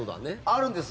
あるんです。